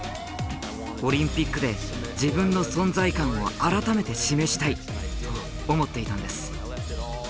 オリンピックで自分の存在感を改めて示したいと思っていたんです。